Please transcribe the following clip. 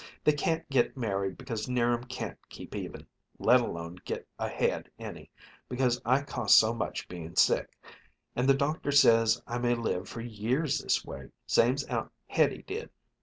They can't get married because 'Niram can't keep even, let alone get ahead any, because I cost so much bein' sick, and the doctor says I may live for years this way, same's Aunt Hettie did.